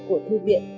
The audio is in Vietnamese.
của thư viện